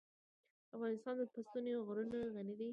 افغانستان په ستوني غرونه غني دی.